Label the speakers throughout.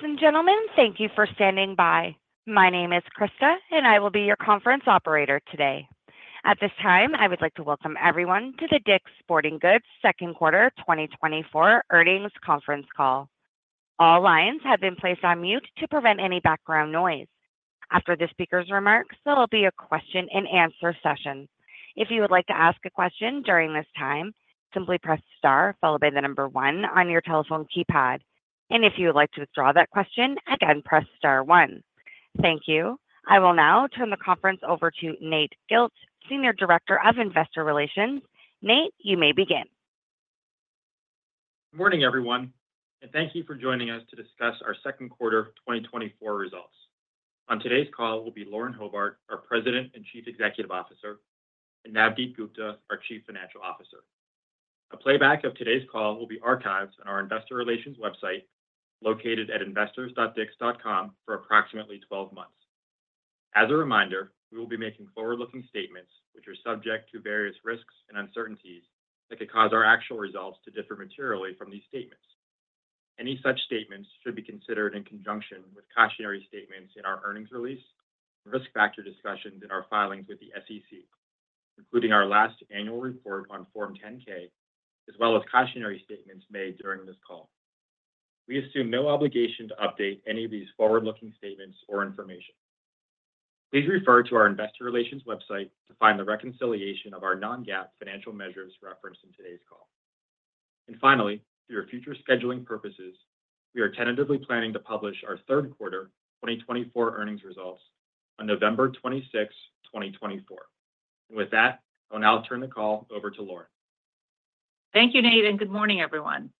Speaker 1: Ladies and gentlemen, thank you for standing by. My name is Krista, and I will be your conference operator today. At this time, I would like to welcome everyone to the DICK'S Sporting Goods second quarter 2024 earnings conference call. All lines have been placed on mute to prevent any background noise. After the speaker's remarks, there will be a question-and-answer session. If you would like to ask a question during this time, simply press star followed by the number one on your telephone keypad. And if you would like to withdraw that question, again, press star one. Thank you. I will now turn the conference over to Nate Gilch, Senior Director of Investor Relations. Nate, you may begin.
Speaker 2: Good morning, everyone, and thank you for joining us to discuss our second quarter of 2024 results. On today's call will be Lauren Hobart, our President and Chief Executive Officer, and Navdeep Gupta, our Chief Financial Officer. A playback of today's call will be archived on our investor relations website, located at investors.dicks.com, for approximately 12 months. As a reminder, we will be making forward-looking statements which are subject to various risks and uncertainties that could cause our actual results to differ materially from these statements. Any such statements should be considered in conjunction with cautionary statements in our earnings release and risk factor discussions in our filings with the SEC, including our last annual report on Form 10-K, as well as cautionary statements made during this call. We assume no obligation to update any of these forward-looking statements or information. Please refer to our investor relations website to find the reconciliation of our non-GAAP financial measures referenced in today's call. And finally, for your future scheduling purposes, we are tentatively planning to publish our third quarter 2024 earnings results on November 26th, 2024. With that, I'll now turn the call over to Lauren.
Speaker 3: Thank you, Nate, and good morning, everyone.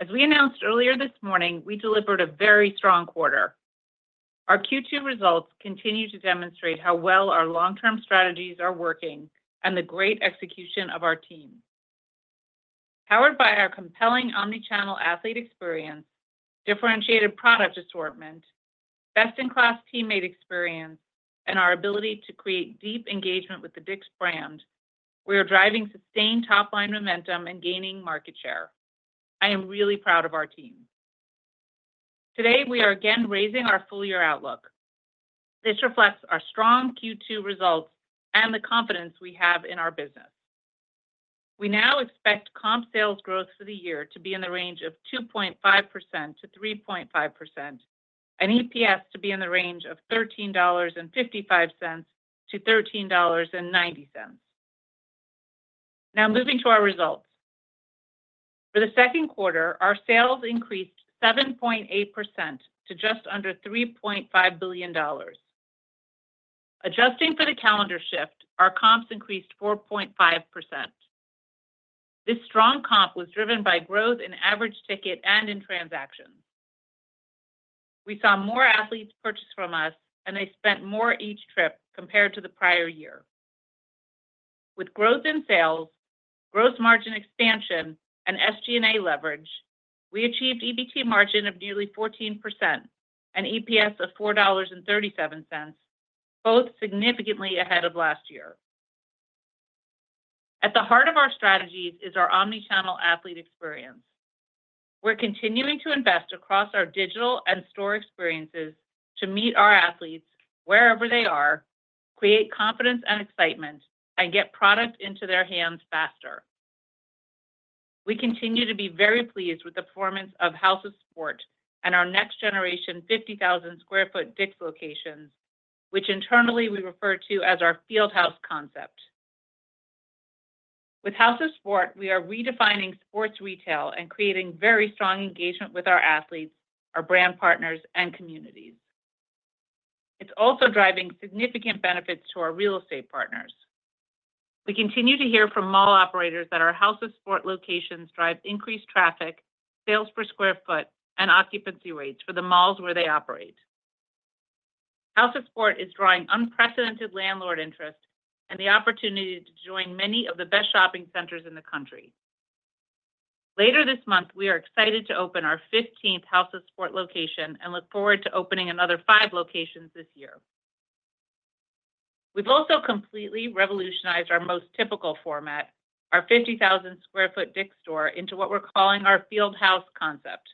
Speaker 3: As we announced earlier this morning, we delivered a very strong quarter. Our Q2 results continue to demonstrate how well our long-term strategies are working and the great execution of our team. Powered by our compelling omnichannel athlete experience, differentiated product assortment, best-in-class teammate experience, and our ability to create deep engagement with the DICK'S brand, we are driving sustained top-line momentum and gaining market share. I am really proud of our team. Today, we are again raising our full-year outlook. This reflects our strong Q2 results and the confidence we have in our business. We now expect comp sales growth for the year to be in the range of 2.5%-3.5%, and EPS to be in the range of $13.55-$13.90. Now, moving to our results. For the second quarter, our sales increased 7.8% to just under $3.5 billion. Adjusting for the calendar shift, our comps increased 4.5%. This strong comp was driven by growth in average ticket and in transactions. We saw more athletes purchase from us, and they spent more each trip compared to the prior year. With growth in sales, gross margin expansion, and SG&A leverage, we achieved EBT margin of nearly 14% and EPS of $4.37, both significantly ahead of last year. At the heart of our strategies is our omnichannel athlete experience. We're continuing to invest across our digital and store experiences to meet our athletes wherever they are, create confidence and excitement, and get product into their hands faster. We continue to be very pleased with the performance of House of Sport and our next generation 50,000 sq ft DICK'S locations, which internally we refer to as our Field House concept. With House of Sport, we are redefining sports retail and creating very strong engagement with our athletes, our brand partners, and communities. It's also driving significant benefits to our real estate partners. We continue to hear from mall operators that our House of Sport locations drive increased traffic, sales per square foot, and occupancy rates for the malls where they operate. House of Sport is drawing unprecedented landlord interest and the opportunity to join many of the best shopping centers in the country. Later this month, we are excited to open our 15th House of Sport location and look forward to opening another five locations this year. We've also completely revolutionized our most typical format, our 50,000 sq ft DICK'S store, into what we're calling our Field House concept.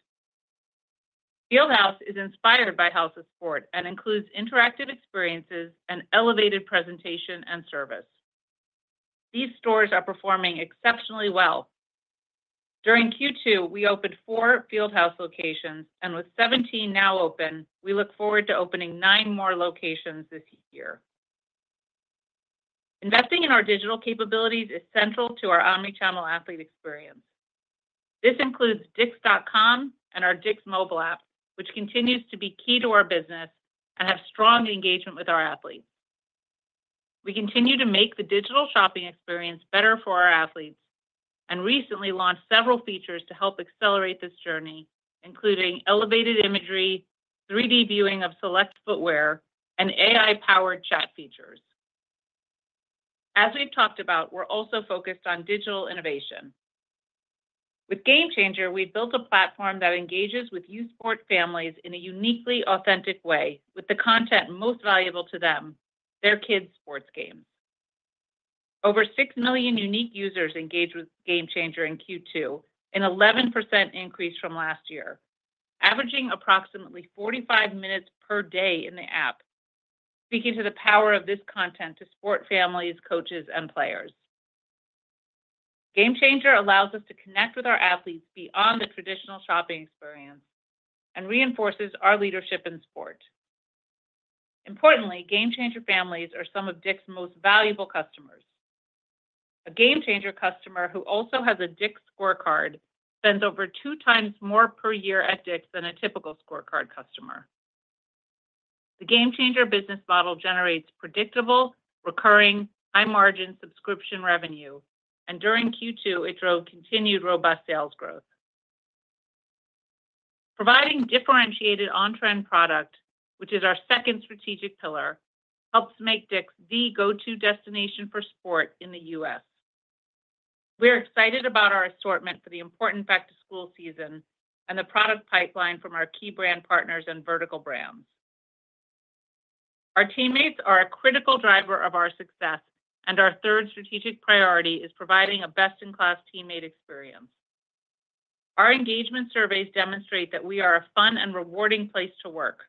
Speaker 3: Field House is inspired by House of Sport and includes interactive experiences and elevated presentation and service. These stores are performing exceptionally well. During Q2, we opened four Field House locations, and with 17 now open, we look forward to opening nine more locations this year. Investing in our digital capabilities is central to our omnichannel athlete experience. This includes dicks.com and our DICK'S mobile app, which continues to be key to our business and have strong engagement with our athletes. We continue to make the digital shopping experience better for our athletes and recently launched several features to help accelerate this journey, including elevated imagery, 3D viewing of select footwear, and AI-powered chat features. As we've talked about, we're also focused on digital innovation. With GameChanger, we've built a platform that engages with youth sports families in a uniquely authentic way, with the content most valuable to them, their kids' sports games. Over 6 million unique users engaged with GameChanger in Q2, an 11% increase from last year, averaging approximately 45 minutes per day in the app, speaking to the power of this content to sports families, coaches, and players. GameChanger allows us to connect with our athletes beyond the traditional shopping experience and reinforces our leadership in sports. Importantly, GameChanger families are some of DICK'S most valuable customers. A GameChanger customer who also has a DICK'S ScoreCard spends over two times more per year at DICK'S than a typical ScoreCard customer. The GameChanger business model generates predictable, recurring, high-margin subscription revenue, and during Q2, it drove continued robust sales growth. Providing differentiated on-trend product, which is our second strategic pillar, helps make DICK'S the go-to destination for sport in the U.S. We're excited about our assortment for the important back-to-school season and the product pipeline from our key brand partners and vertical brands. Our teammates are a critical driver of our success, and our third strategic priority is providing a best-in-class teammate experience. Our engagement surveys demonstrate that we are a fun and rewarding place to work.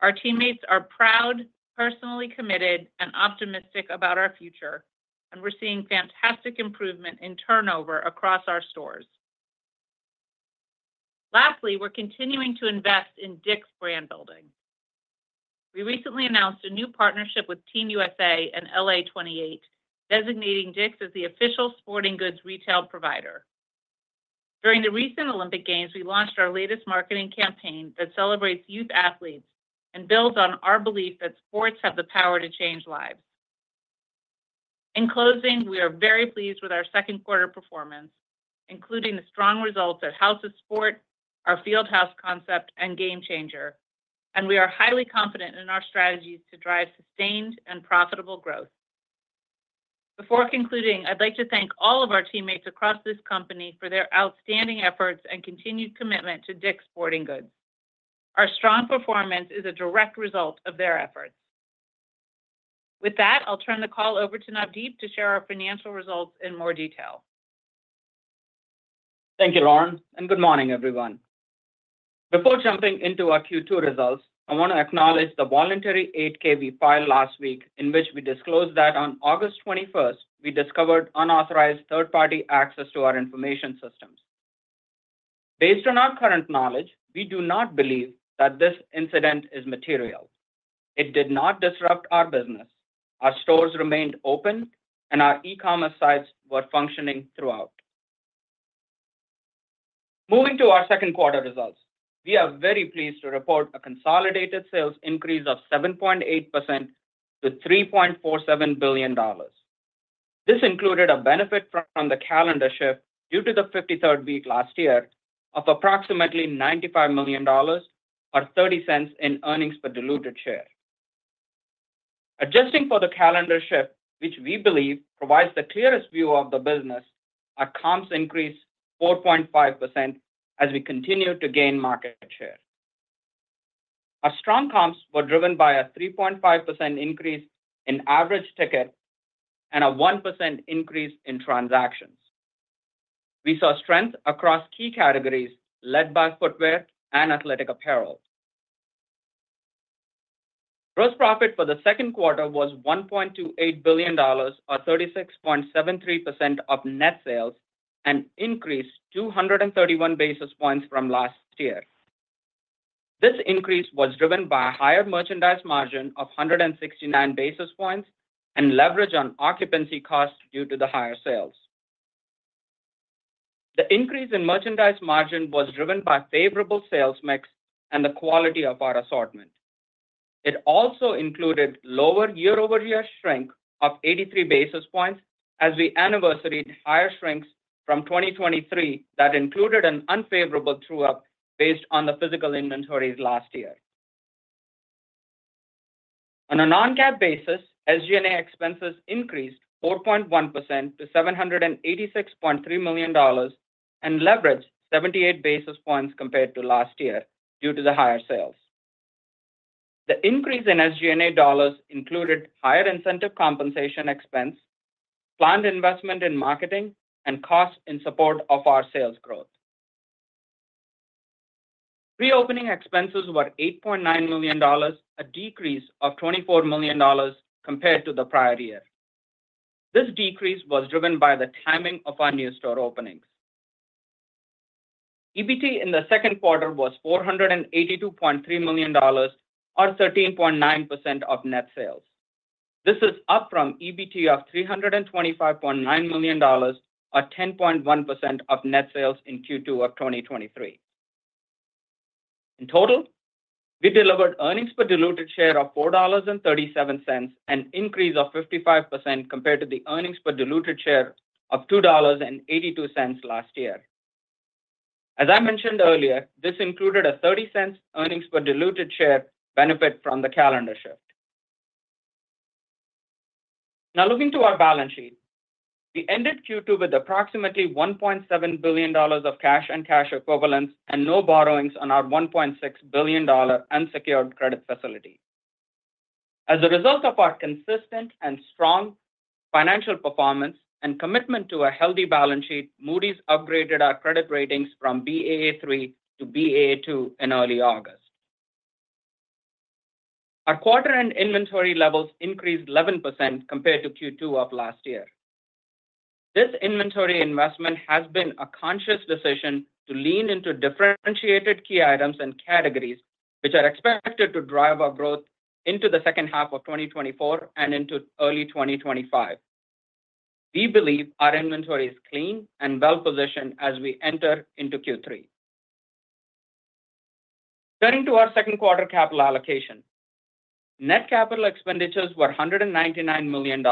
Speaker 3: Our teammates are proud, personally committed, and optimistic about our future, and we're seeing fantastic improvement in turnover across our stores. Lastly, we're continuing to invest in DICK'S brand building. We recently announced a new partnership with Team USA and LA28, designating DICK'S as the official sporting goods retail provider. During the recent Olympic Games, we launched our latest marketing campaign that celebrates youth athletes and builds on our belief that sports have the power to change lives. In closing, we are very pleased with our second quarter performance, including the strong results at House of Sport, our Field House concept, and GameChanger, and we are highly confident in our strategies to drive sustained and profitable growth. Before concluding, I'd like to thank all of our teammates across this company for their outstanding efforts and continued commitment to DICK'S Sporting Goods. Our strong performance is a direct result of their efforts. With that, I'll turn the call over to Navdeep to share our financial results in more detail.
Speaker 4: Thank you, Lauren, and good morning, everyone. Before jumping into our Q2 results, I want to acknowledge the voluntary 8-K we filed last week, in which we disclosed that on August 21st, we discovered unauthorized third-party access to our information systems. Based on our current knowledge, we do not believe that this incident is material. It did not disrupt our business. Our stores remained open and our e-commerce sites were functioning throughout. Moving to our second quarter results, we are very pleased to report a consolidated sales increase of 7.8% to $3.47 billion. This included a benefit from the calendar shift due to the 53rd week last year of approximately $95 million or $0.30 in earnings per diluted share. Adjusting for the calendar shift, which we believe provides the clearest view of the business, our comps increased 4.5% as we continue to gain market share. Our strong comps were driven by a 3.5% increase in average ticket and a 1% increase in transactions. We saw shrink across key categories led by footwear and athletic apparel. Gross profit for the second quarter was $1.28 billion or 36.73% of net sales, an increase of 231 basis points from last year. This increase was driven by a higher merchandise margin of 169 basis points and leverage on occupancy costs due to the higher sales. The increase in merchandise margin was driven by favorable sales mix and the quality of our assortment. It also included lower year-over-year shrink of 83 basis points as we anniversaried higher shrinks from 2023. That included an unfavorable true-up based on the physical inventories last year. On a non-GAAP basis, SG&A expenses increased 4.1% to $786.3 million and leveraged 78 basis points compared to last year due to the higher sales. The increase in SG&A dollars included higher incentive compensation expense, planned investment in marketing, and costs in support of our sales growth. Pre-opening expenses were $8.9 million, a decrease of $24 million compared to the prior year. This decrease was driven by the timing of our new store openings. EBT in the second quarter was $482.3 million or 13.9% of net sales. This is up from EBT of $325.9 million or 10.1% of net sales in Q2 of 2023. In total, we delivered earnings per diluted share of $4.37, an increase of 55% compared to the earnings per diluted share of $2.82 last year. As I mentioned earlier, this included a $0.30 earnings per diluted share benefit from the calendar shift. Now, looking to our balance sheet. We ended Q2 with approximately $1.7 billion of cash and cash equivalents and no borrowings on our $1.6 billion unsecured credit facility. As a result of our consistent and strong financial performance and commitment to a healthy balance sheet, Moody's upgraded our credit ratings from Baa3 to Baa2 in early August. Our Q2 inventory levels increased 11% compared to Q2 of last year. This inventory investment has been a conscious decision to lean into differentiated key items and categories, which are expected to drive our growth into the second half of 2024 and into early 2025. We believe our inventory is clean and well positioned as we enter into Q3. Turning to our second quarter capital allocation. Net capital expenditures were $199 million,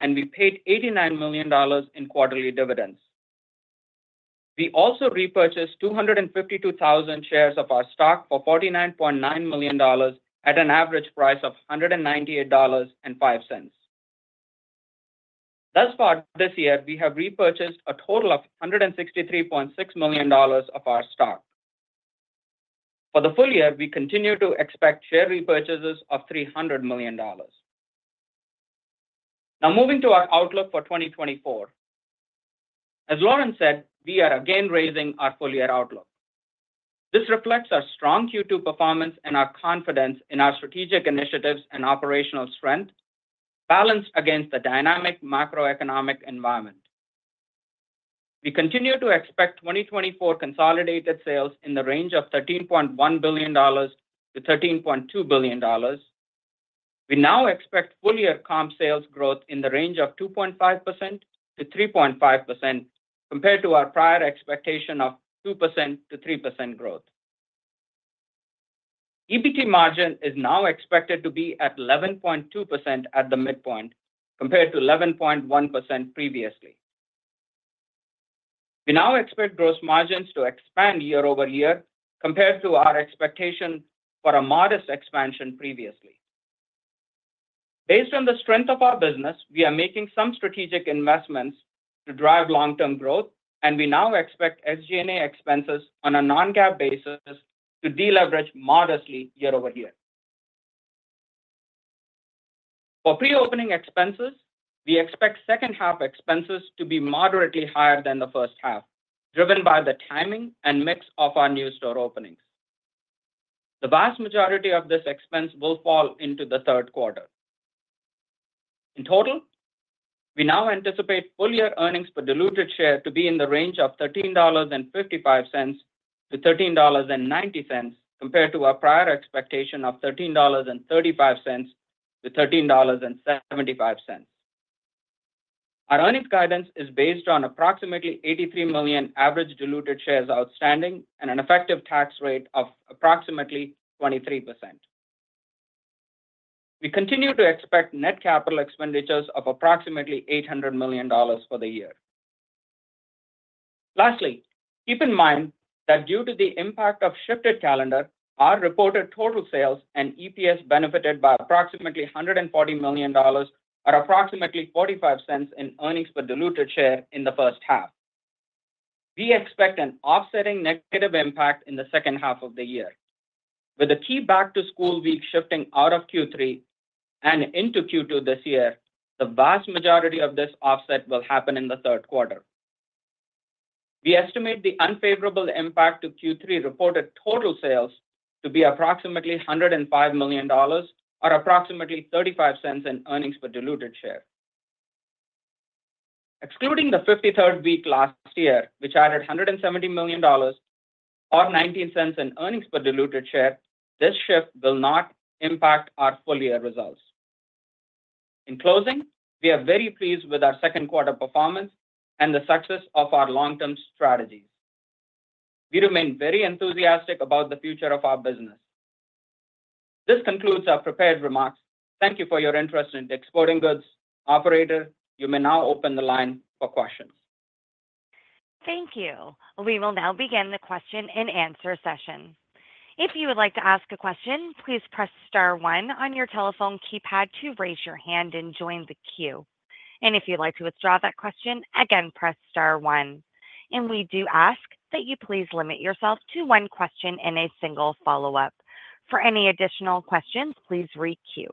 Speaker 4: and we paid $89 million in quarterly dividends. We also repurchased 252,000 shares of our stock for $49.9 million at an average price of $198.05. Thus far this year, we have repurchased a total of $163.6 million of our stock. For the full year, we continue to expect share repurchases of three hundred million dollars. Now, moving to our outlook for 2024. As Lauren said, we are again raising our full-year outlook. This reflects our strong Q2 performance and our confidence in our strategic initiatives and operational strength, balanced against the dynamic macroeconomic environment. We continue to expect 2024 consolidated sales in the range of $13.1 billion-$13.2 billion. We now expect full-year comp sales growth in the range of 2.5%-3.5%, compared to our prior expectation of 2%-3% growth. EBT margin is now expected to be at 11.2% at the midpoint, compared to 11.1% previously. We now expect gross margins to expand year over year compared to our expectation for a modest expansion previously. Based on the strength of our business, we are making some strategic investments to drive long-term growth, and we now expect SG&A expenses on a non-GAAP basis to deleverage modestly year over year. For pre-opening expenses, we expect second half expenses to be moderately higher than the first half, driven by the timing and mix of our new store openings. The vast majority of this expense will fall into the third quarter. In total, we now anticipate full-year earnings per diluted share to be in the range of $13.55-$13.90, compared to our prior expectation of $13.35-$13.75. Our earnings guidance is based on approximately 83 million average diluted shares outstanding and an effective tax rate of approximately 23%. We continue to expect net capital expenditures of approximately $800 million for the year. Lastly, keep in mind that due to the impact of shifted calendar, our reported total sales and EPS benefited by approximately $140 million or approximately $0.45 in earnings per diluted share in the first half. We expect an offsetting negative impact in the second half of the year. With the key back-to-school week shifting out of Q3 and into Q2 this year, the vast majority of this offset will happen in the third quarter. We estimate the unfavorable impact to Q3 reported total sales to be approximately $105 million or approximately $0.35 in earnings per diluted share. Excluding the fifty-third week last year, which added $170 million, or $0.19 in earnings per diluted share, this shift will not impact our full-year results. In closing, we are very pleased with our second quarter performance and the success of our long-term strategies. We remain very enthusiastic about the future of our business. This concludes our prepared remarks. Thank you for your interest in DICK'S Sporting Goods. Operator, you may now open the line for questions.
Speaker 1: Thank you. We will now begin the question and answer session. If you would like to ask a question, please press star one on your telephone keypad to raise your hand and join the queue. And if you'd like to withdraw that question, again, press star one. And we do ask that you please limit yourself to one question and a single follow-up. For any additional questions, please requeue.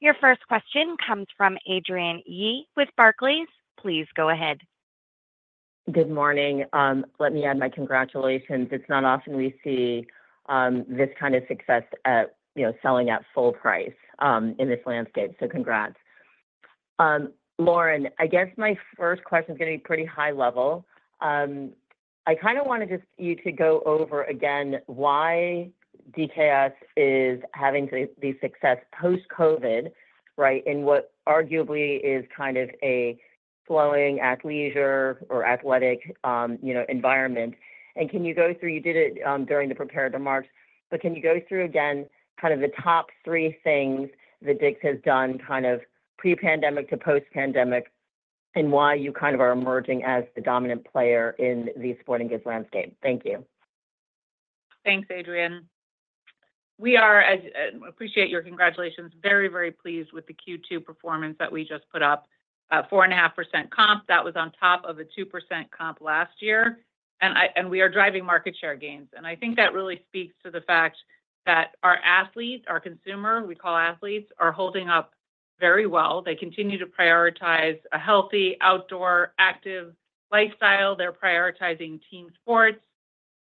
Speaker 1: Your first question comes from Adrienne Yih with Barclays. Please go ahead.
Speaker 5: Good morning. Let me add my congratulations. It's not often we see, this kind of success at, you know, selling at full price, in this landscape, so congrats. Lauren, I guess my first question is going to be pretty high level. I kind of wanted just you to go over again why DKS is having the success post-COVID, right, in what arguably is kind of a slowing athleisure or athletic, you know, environment. And can you go through... You did it, during the prepared remarks, but can you go through again, kind of the top three things that DICK'S has done kind of pre-pandemic to post-pandemic, and why you kind of are emerging as the dominant player in the sporting goods landscape? Thank you....
Speaker 3: Thanks, Adrienne. We are, as, appreciate your congratulations, very, very pleased with the Q2 performance that we just put up. 4.5% comp, that was on top of a 2% comp last year, and we are driving market share gains, and I think that really speaks to the fact that our athletes, our consumer, we call athletes, are holding up very well. They continue to prioritize a healthy, outdoor, active lifestyle. They're prioritizing team sports,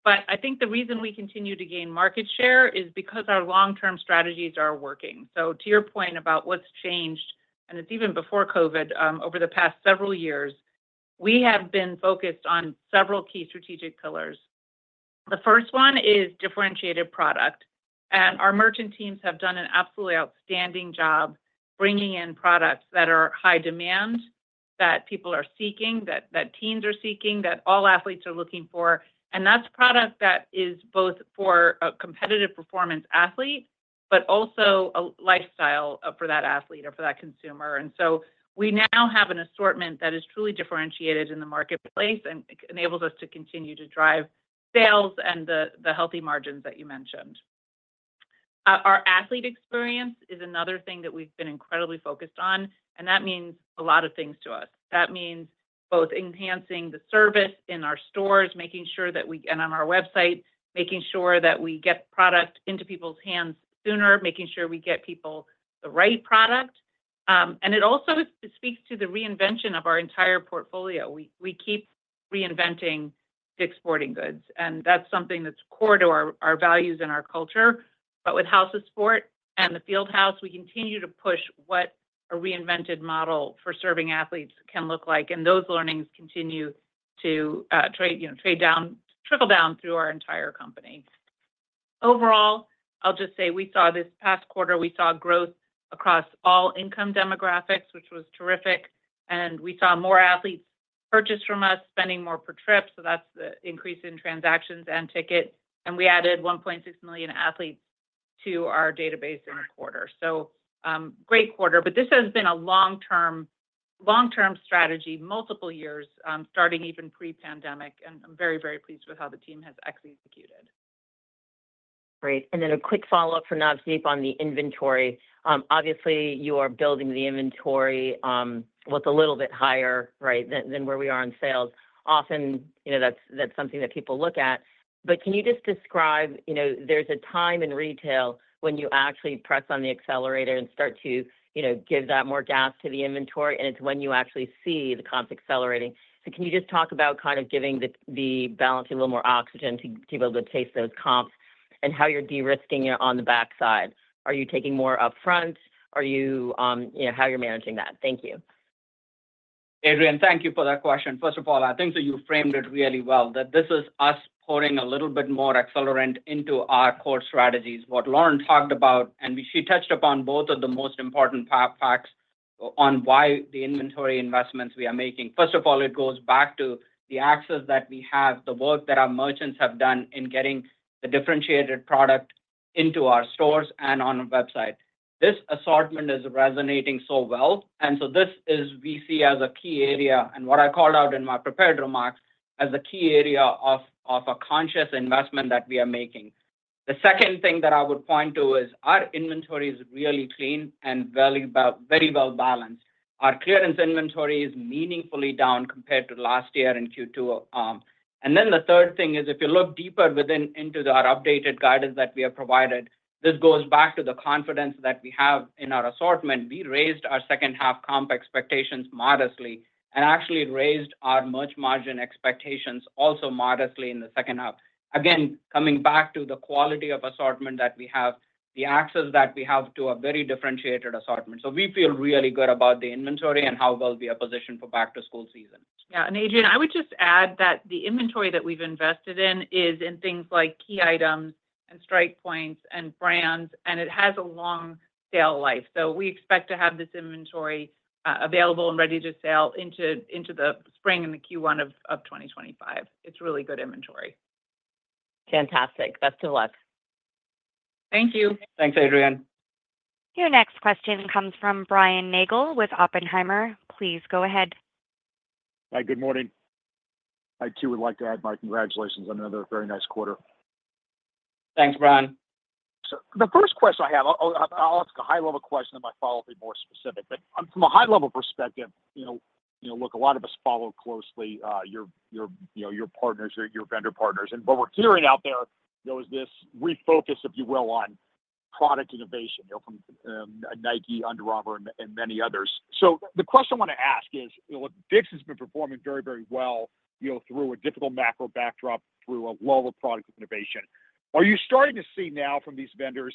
Speaker 3: but I think the reason we continue to gain market share is because our long-term strategies are working, so to your point about what's changed, and it's even before COVID, over the past several years, we have been focused on several key strategic pillars. The first one is differentiated product, and our merchant teams have done an absolutely outstanding job bringing in products that are high demand, that people are seeking, that teams are seeking, that all athletes are looking for. And that's product that is both for a competitive performance athlete, but also a lifestyle for that athlete or for that consumer. And so we now have an assortment that is truly differentiated in the marketplace and enables us to continue to drive sales and the healthy margins that you mentioned. Our athlete experience is another thing that we've been incredibly focused on, and that means a lot of things to us. That means both enhancing the service in our stores, making sure that we... and on our website, making sure that we get product into people's hands sooner, making sure we get people the right product. And it also speaks to the reinvention of our entire portfolio. We keep reinventing DICK'S Sporting Goods, and that's something that's core to our values and our culture. But with House of Sport and the Field House, we continue to push what a reinvented model for serving athletes can look like, and those learnings continue to trickle down through our entire company. Overall, I'll just say this past quarter, we saw growth across all income demographics, which was terrific, and we saw more athletes purchase from us, spending more per trip, so that's the increase in transactions and tickets. And we added 1.6 million athletes to our database in a quarter. So, great quarter, but this has been a long-term, long-term strategy, multiple years, starting even pre-pandemic, and I'm very, very pleased with how the team has executed.
Speaker 5: Great. Then a quick follow-up for Navdeep on the inventory. Obviously, you are building the inventory with a little bit higher, right, than where we are on sales. Often, you know, that's something that people look at. But can you just describe, you know, there's a time in retail when you actually press on the accelerator and start to, you know, give that more gas to the inventory, and it's when you actually see the comps accelerating. So can you just talk about kind of giving the balance a little more oxygen to be able to taste those comps and how you're de-risking it on the backside? Are you taking more up front? Are you, you know, how are you managing that? Thank you.
Speaker 4: Adrienne, thank you for that question. First of all, I think that you framed it really well, that this is us pouring a little bit more accelerant into our core strategies. What Lauren talked about, and she touched upon both of the most important facts on why the inventory investments we are making. First of all, it goes back to the access that we have, the work that our merchants have done in getting the differentiated product into our stores and on our website. This assortment is resonating so well, and so this is we see as a key area, and what I called out in my prepared remarks, as a key area of, of a conscious investment that we are making. The second thing that I would point to is our inventory is really clean and very well balanced. Our clearance inventory is meaningfully down compared to last year in Q2, and then the third thing is, if you look deeper into our updated guidance that we have provided, this goes back to the confidence that we have in our assortment. We raised our second half comp expectations modestly, and actually raised our merch margin expectations also modestly in the second half. Again, coming back to the quality of assortment that we have, the access that we have to a very differentiated assortment. So we feel really good about the inventory and how well we are positioned for back-to-school season.
Speaker 3: Yeah, and Adrienne, I would just add that the inventory that we've invested in is in things like key items and strike points and brands, and it has a long sale life. So we expect to have this inventory available and ready to sell into the spring and the Q1 of 2025. It's really good inventory.
Speaker 5: Fantastic. Best of luck.
Speaker 3: Thank you.
Speaker 4: Thanks, Adrienne.
Speaker 1: Your next question comes from Brian Nagel with Oppenheimer. Please go ahead.
Speaker 6: Hi, good morning. I too would like to add my congratulations on another very nice quarter.
Speaker 4: Thanks, Brian.
Speaker 6: So the first question I have, I'll ask a high-level question, and my follow-up be more specific. But from a high-level perspective, you know, look, a lot of us follow closely, you know, your partners, your vendor partners. And what we're hearing out there, you know, is this refocus, if you will, on product innovation, you know, from Nike, Under Armour, and many others. So the question I want to ask is: Look, DICK'S has been performing very, very well, you know, through a difficult macro backdrop, through a lull of product innovation. Are you starting to see now from these vendors,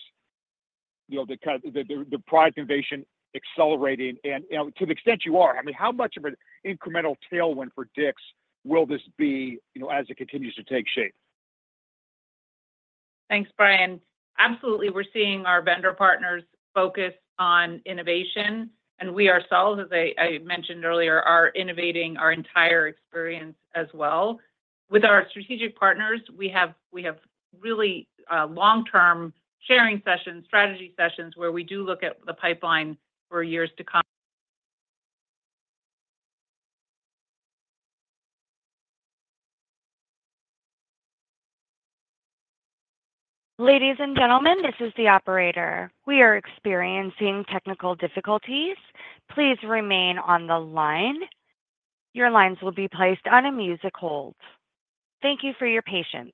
Speaker 6: you know, the kind of product innovation accelerating? And to the extent you are, I mean, how much of an incremental tailwind for DICK'S will this be, you know, as it continues to take shape?
Speaker 3: Thanks, Brian. Absolutely, we're seeing our vendor partners focus on innovation, and we ourselves, as I mentioned earlier, are innovating our entire experience as well. With our strategic partners, we have really long-term sharing sessions, strategy sessions, where we do look at the pipeline for years to come.
Speaker 1: Ladies and gentlemen, this is the Operator. We are experiencing technical difficulties. Please remain on the line. Your lines will be placed on a music hold. Thank you for your patience.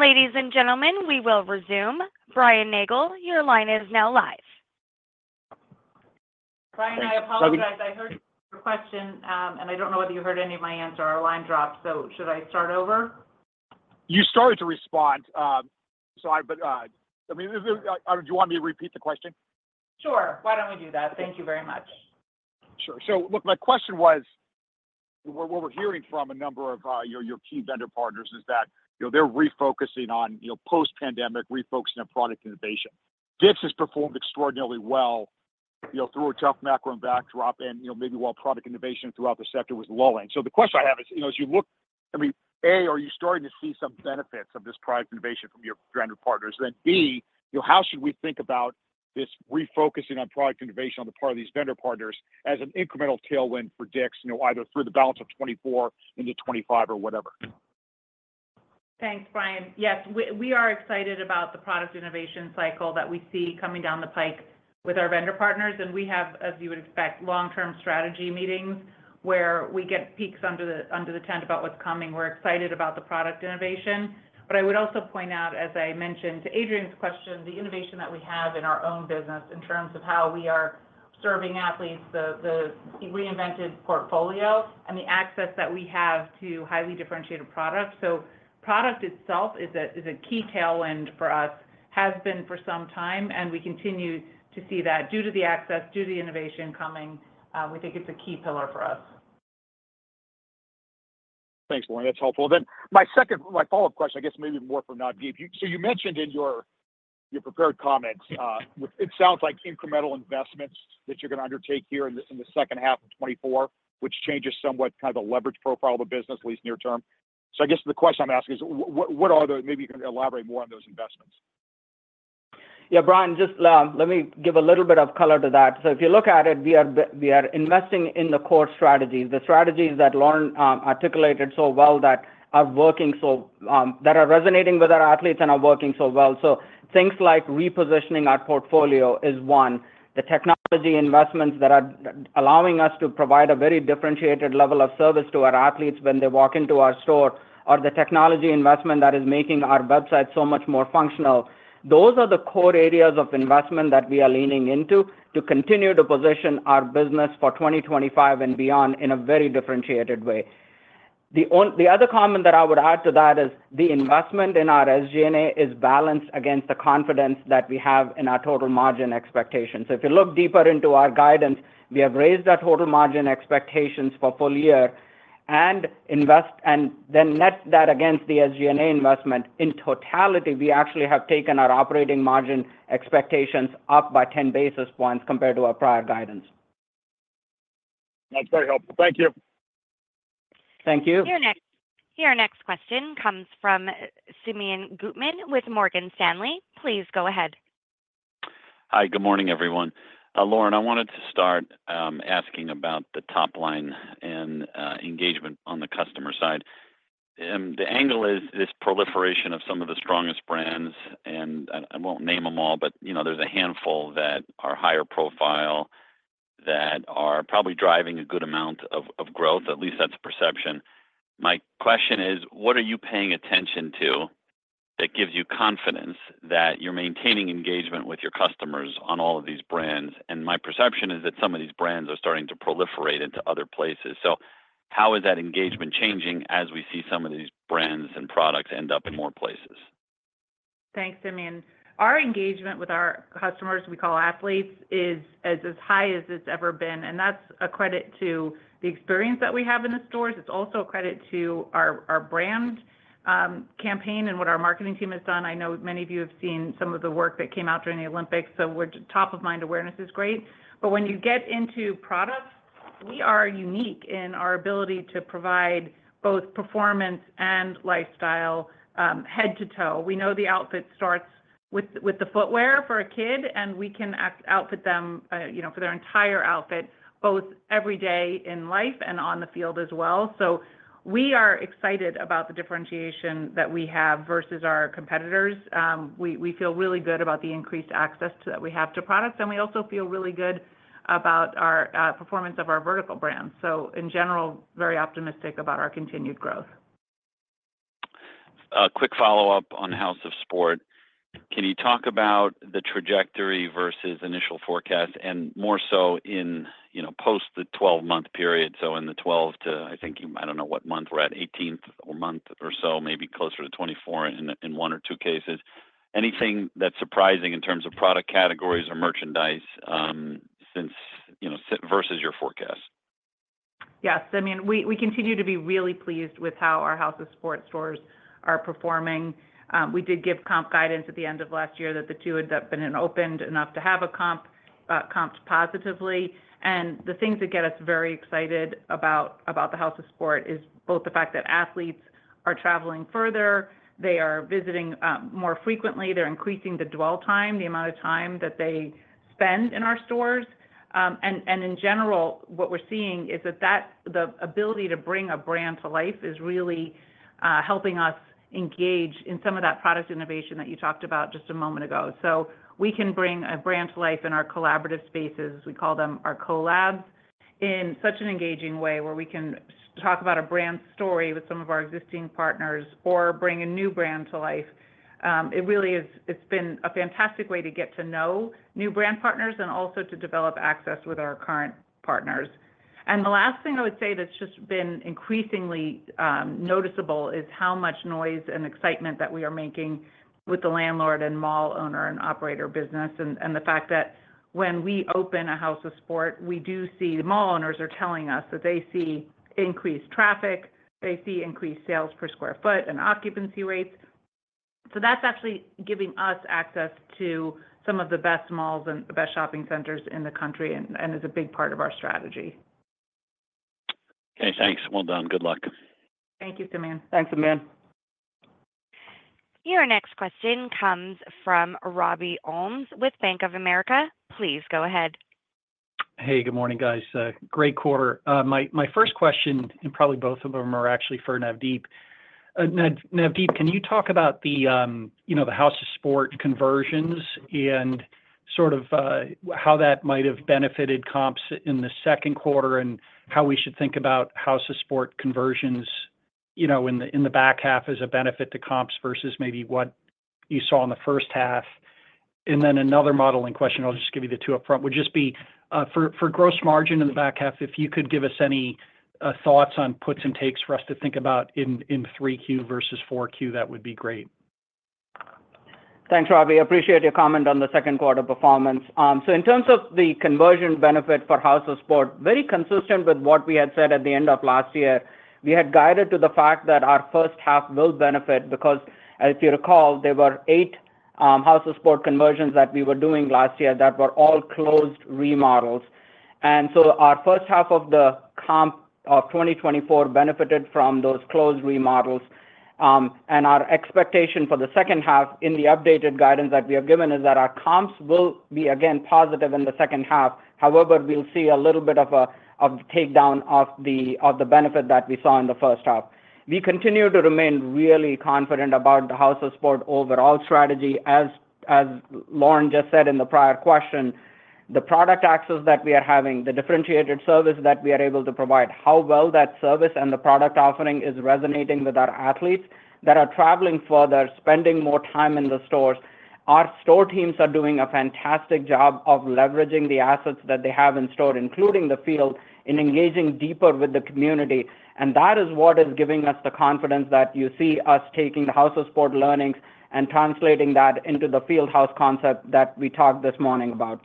Speaker 1: Ladies and gentlemen, we will resume. Brian Nagel, your line is now live. Brian, I apologize. I heard your question, and I don't know whether you heard any of my answer. Our line dropped, so should I start over?
Speaker 6: You started to respond, but I mean, do you want me to repeat the question?
Speaker 3: Sure. Why don't we do that? Thank you very much.
Speaker 6: Sure. So look, my question was, what we're hearing from a number of your key vendor partners is that, you know, they're refocusing on, you know, post-pandemic refocusing on product innovation. DICK'S has performed extraordinarily well, you know, through a tough macro and backdrop and, you know, maybe while product innovation throughout the sector was lulling. So the question I have is, you know, as you look. I mean, A, are you starting to see some benefits of this product innovation from your vendor partners? Then B, you know, how should we think about this refocusing on product innovation on the part of these vendor partners as an incremental tailwind for DICK'S, you know, either through the balance of 2024 into 2025 or whatever?
Speaker 3: Thanks, Brian. Yes, we are excited about the product innovation cycle that we see coming down the pike with our vendor partners, and we have, as you would expect, long-term strategy meetings where we get peeks under the tent about what's coming. We're excited about the product innovation. But I would also point out, as I mentioned to Adrienne's question, the innovation that we have in our own business in terms of how we are serving athletes, the reinvented portfolio and the access that we have to highly differentiated products. So product itself is a key tailwind for us, has been for some time, and we continue to see that. Due to the access, due to the innovation coming, we think it's a key pillar for us.
Speaker 6: Thanks, Lauren. That's helpful. Then my second... my follow-up question, I guess maybe more for Navdeep. So you mentioned in your prepared comments, it sounds like incremental investments that you're going to undertake here in the, in the second half of 2024, which changes somewhat kind of the leverage profile of the business, at least near term. So I guess the question I'm asking is, what are the-- maybe you can elaborate more on those investments.
Speaker 4: Yeah, Brian, just let me give a little bit of color to that. So if you look at it, we are investing in the core strategies, the strategies that Lauren articulated so well that are working so that are resonating with our athletes and are working so well. So things like repositioning our portfolio is one. The technology investments that are allowing us to provide a very differentiated level of service to our athletes when they walk into our store, or the technology investment that is making our website so much more functional. Those are the core areas of investment that we are leaning into to continue to position our business for twenty twenty-five and beyond in a very differentiated way. The other comment that I would add to that is the investment in our SG&A is balanced against the confidence that we have in our total margin expectations. So if you look deeper into our guidance, we have raised our total margin expectations for full year and invest, and then net that against the SG&A investment. In totality, we actually have taken our operating margin expectations up by 10 basis points compared to our prior guidance.
Speaker 6: That's very helpful. Thank you.
Speaker 4: Thank you.
Speaker 1: Your next question comes from Simeon Gutman with Morgan Stanley. Please go ahead.
Speaker 7: Hi, good morning, everyone. Lauren, I wanted to start asking about the top line and engagement on the customer side. The angle is this proliferation of some of the strongest brands, and I won't name them all, but you know, there's a handful that are higher profile, that are probably driving a good amount of growth. At least that's the perception. My question is, what are you paying attention to that gives you confidence that you're maintaining engagement with your customers on all of these brands? And my perception is that some of these brands are starting to proliferate into other places. So how is that engagement changing as we see some of these brands and products end up in more places?
Speaker 3: Thanks, Simeon. Our engagement with our customers, we call athletes, is as high as it's ever been, and that's a credit to the experience that we have in the stores. It's also a credit to our brand campaign and what our marketing team has done. I know many of you have seen some of the work that came out during the Olympics, so our top-of-mind awareness is great, but when you get into product, we are unique in our ability to provide both performance and lifestyle head to toe. We know the outfit starts with the footwear for a kid, and we can outfit them, you know, for their entire outfit, both every day in life and on the field as well. So we are excited about the differentiation that we have versus our competitors. We feel really good about the increased access that we have to products, and we also feel really good about our performance of our vertical brands, so in general, very optimistic about our continued growth.
Speaker 7: A quick follow-up on House of Sport. Can you talk about the trajectory versus initial forecast and more so in, you know, post the 12-month period? So in the 12e to, I think, I don't know what month we're at, 18th or month or so, maybe closer to 24 in, in one or two cases. Anything that's surprising in terms of product categories or merchandise, since, you know, versus your forecast?
Speaker 3: Yes. I mean, we continue to be really pleased with how our House of Sport stores are performing. We did give comp guidance at the end of last year that the two had been opened enough to have comped positively. And the things that get us very excited about the House of Sport is both the fact that athletes are traveling further, they are visiting more frequently, they're increasing the dwell time, the amount of time that they spend in our stores. And in general, what we're seeing is that the ability to bring a brand to life is really helping us engage in some of that product innovation that you talked about just a moment ago. So we can bring a brand to life in our collaborative spaces, we call them our collabs, in such an engaging way where we can talk about a brand story with some of our existing partners or bring a new brand to life. It really is. It's been a fantastic way to get to know new brand partners and also to develop access with our current partners. The last thing I would say that's just been increasingly noticeable is how much noise and excitement that we are making with the landlord and mall owner and operator business, and the fact that when we open a House of Sport, we do see the mall owners are telling us that they see increased traffic, they see increased sales per sq ft and occupancy rates. So that's actually giving us access to some of the best malls and the best shopping centers in the country, and is a big part of our strategy.
Speaker 7: Okay, thanks. Well done. Good luck.
Speaker 3: Thank you, Simeon.
Speaker 4: Thanks, Simeon.
Speaker 1: Your next question comes from Robbie Ohmes with Bank of America. Please go ahead.
Speaker 8: Hey, good morning, guys. Great quarter. My first question, and probably both of them are actually for Navdeep. Navdeep, can you talk about the, you know, the House of Sport conversions and sort of how that might have benefited comps in the second quarter, and how we should think about House of Sport conversions, you know, in the back half as a benefit to comps versus maybe what you saw in the first half? And then another modeling question, I'll just give you the two upfront, would just be for gross margin in the back half, if you could give us any thoughts on puts and takes for us to think about in 3Q versus 4Q, that would be great.
Speaker 4: Thanks, Robbie. Appreciate your comment on the second quarter performance. So in terms of the conversion benefit for House of Sport, very consistent with what we had said at the end of last year. We had guided to the fact that our first half will benefit, because as you recall, there were eight House of Sport conversions that we were doing last year that were all closed remodels. And so our first half of the comp of 2024 benefited from those closed remodels. And our expectation for the second half in the updated guidance that we have given is that our comps will be, again, positive in the second half. However, we'll see a little bit of a takedown of the benefit that we saw in the first half. We continue to remain really confident about the House of Sport overall strategy, as Lauren just said in the prior question. The product access that we are having, the differentiated service that we are able to provide, how well that service and the product offering is resonating with our athletes that are traveling further, spending more time in the stores. Our store teams are doing a fantastic job of leveraging the assets that they have in store, including the Field, in engaging deeper with the community. And that is what is giving us the confidence that you see us taking the House of Sport learnings and translating that into the Field House concept that we talked this morning about.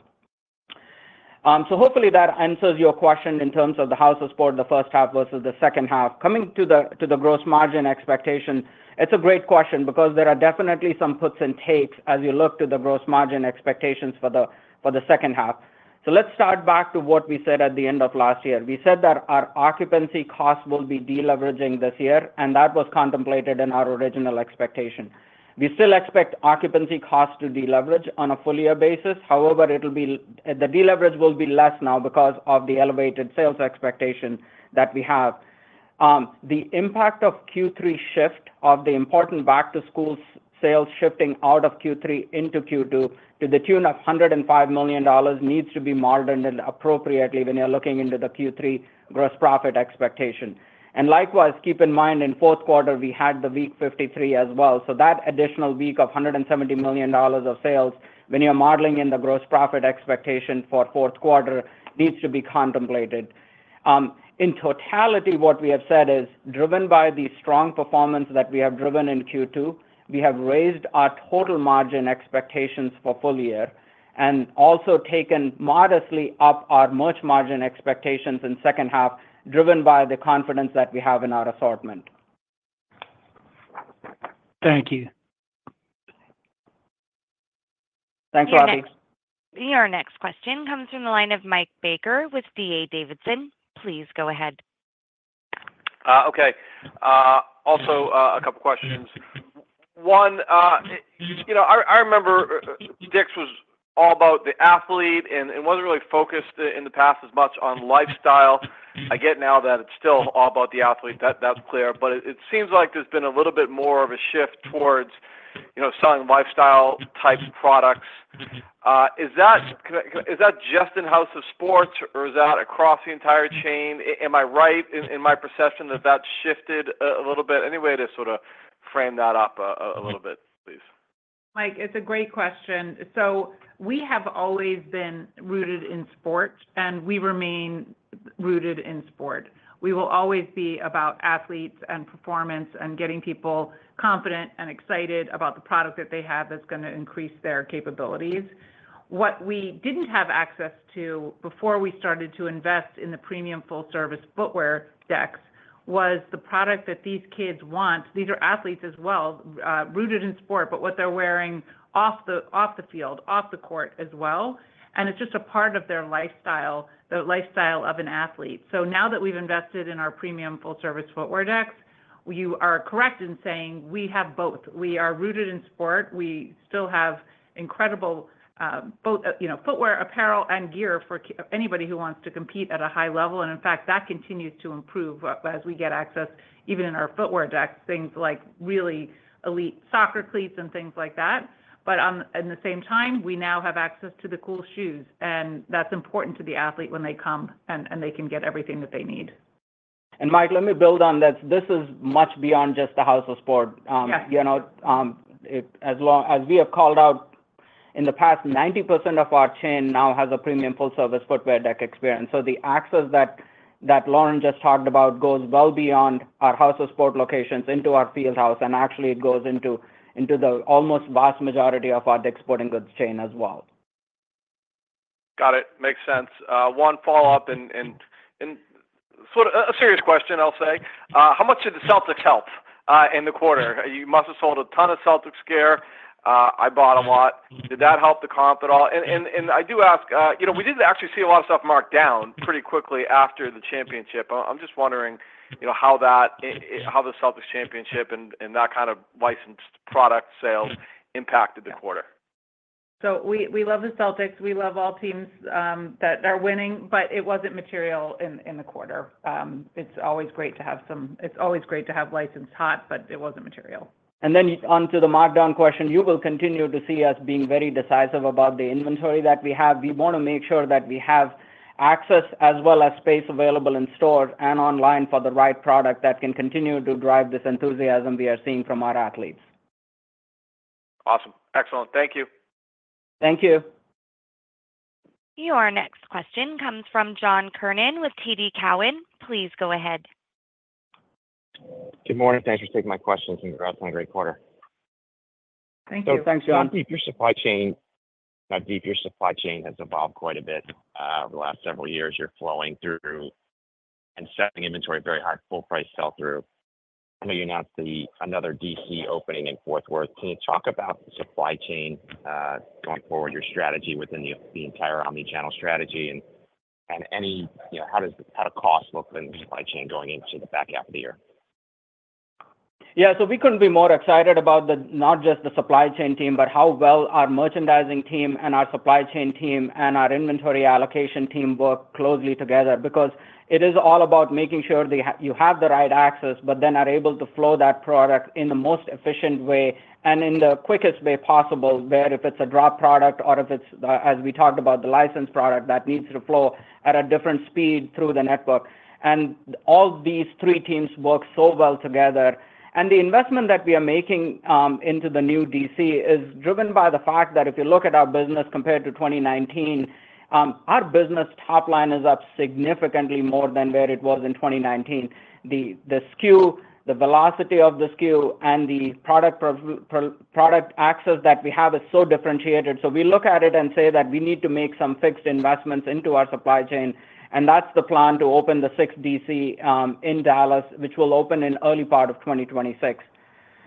Speaker 4: So hopefully that answers your question in terms of the House of Sport in the first half versus the second half. Coming to the gross margin expectation, it's a great question because there are definitely some puts and takes as you look to the gross margin expectations for the second half. So let's start back to what we said at the end of last year. We said that our occupancy costs will be deleveraging this year, and that was contemplated in our original expectation. We still expect occupancy costs to deleverage on a full year basis. However, the deleverage will be less now because of the elevated sales expectation that we have. The impact of Q3 shift of the important back-to-school sales shifting out of Q3 into Q2, to the tune of $105 million, needs to be modeled appropriately when you're looking into the Q3 gross profit expectation. And likewise, keep in mind, in fourth quarter, we had the week 53 as well. So that additional week of $170 million of sales, when you're modeling in the gross profit expectation for fourth quarter, needs to be contemplated. In totality, what we have said is driven by the strong performance that we have driven in Q2. We have raised our total margin expectations for full year and also taken modestly up our merch margin expectations in second half, driven by the confidence that we have in our assortment.
Speaker 8: Thank you....
Speaker 4: Thanks, Robbie.
Speaker 1: Your next question comes from the line of Mike Baker with D.A. Davidson. Please go ahead.
Speaker 9: Okay. Also, a couple questions. One, you know, I remember, DICK'S was all about the athlete and wasn't really focused in the past as much on lifestyle. I get now that it's still all about the athlete, that's clear, but it seems like there's been a little bit more of a shift towards, you know, selling lifestyle-type products. Is that just in House of Sport, or is that across the entire chain? Am I right in my perception that that's shifted a little bit? Any way to sort of frame that up a little bit, please?
Speaker 3: Mike, it's a great question. So we have always been rooted in sport, and we remain rooted in sport. We will always be about athletes and performance and getting people confident and excited about the product that they have that's gonna increase their capabilities. What we didn't have access to before we started to invest in the premium full-service footwear decks was the product that these kids want. These are athletes as well, rooted in sport, but what they're wearing off the field, off the court as well, and it's just a part of their lifestyle, the lifestyle of an athlete. So now that we've invested in our premium full-service footwear decks, you are correct in saying we have both. We are rooted in sport. We still have incredible both, you know, footwear, apparel, and gear for anybody who wants to compete at a high level. And in fact, that continues to improve as we get access, even in our footwear, Deckers, things like really elite soccer cleats and things like that. But at the same time, we now have access to the cool shoes, and that's important to the athlete when they come and they can get everything that they need.
Speaker 4: Mike, let me build on this. This is much beyond just the House of Sport.
Speaker 9: Yeah.
Speaker 4: You know, as long as we have called out in the past, 90% of our chain now has a premium full-service footwear deck experience. So the access that Lauren just talked about goes well beyond our House of Sport locations into our Field House, and actually it goes into the almost vast majority of our DICK'S Sporting Goods chain as well.
Speaker 9: Got it. Makes sense. One follow-up and sort of a serious question, I'll say. How much did the Celtics help in the quarter? You must have sold a ton of Celtics gear. I bought a lot. Did that help the comp at all? And I do ask, you know, we did actually see a lot of stuff marked down pretty quickly after the championship. I'm just wondering, you know, how that, how the Celtics championship and that kind of licensed product sales impacted the quarter.
Speaker 3: We love the Celtics. We love all teams that are winning, but it wasn't material in the quarter. It's always great to have licensed hot, but it wasn't material.
Speaker 4: And then onto the markdown question, you will continue to see us being very decisive about the inventory that we have. We want to make sure that we have access as well as space available in store and online for the right product that can continue to drive this enthusiasm we are seeing from our athletes.
Speaker 9: Awesome. Excellent. Thank you.
Speaker 4: Thank you.
Speaker 1: Your next question comes from John Kernan with TD Cowen. Please go ahead.
Speaker 10: Good morning. Thanks for taking my questions, and congrats on a great quarter.
Speaker 3: Thank you.
Speaker 4: Thanks, John.
Speaker 10: Navdeep, your supply chain has evolved quite a bit over the last several years. You're flowing through and setting inventory at very high full price sell-through. I know you announced another DC opening in Fort Worth. Can you talk about the supply chain going forward, your strategy within the entire omni-channel strategy, and any, you know, how do costs look in the supply chain going into the back half of the year?
Speaker 4: Yeah, so we couldn't be more excited about the, not just the supply chain team, but how well our merchandising team and our supply chain team and our inventory allocation team work closely together. Because it is all about making sure you have the right access, but then are able to flow that product in the most efficient way and in the quickest way possible, where if it's a drop product or if it's, as we talked about, the licensed product, that needs to flow at a different speed through the network. And all these three teams work so well together. And the investment that we are making into the new DC is driven by the fact that if you look at our business compared to 2019, our business top line is up significantly more than where it was in 2019. The SKU, the velocity of the SKU, and the product product access that we have is so differentiated. So we look at it and say that we need to make some fixed investments into our supply chain, and that's the plan to open the sixth DC in Dallas, which will open in early part of 2026.